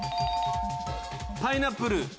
パイナップル。